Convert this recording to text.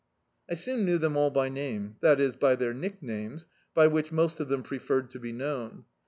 I soon knew them all by name, that is, by their nicknames, by which most of them preferred to be known.